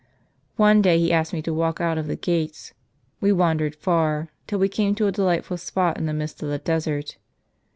One day he asked me to walk out of the gates ; we wandered far, till we came to a delightful spot in the midst of the desert."